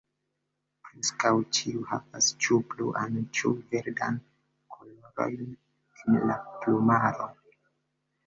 Preskaŭ ĉiu havas ĉu bluan ĉu verdan kolorojn en la plumaro.